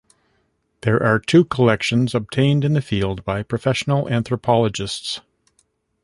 There are two collections obtained in the field by professional anthropologists.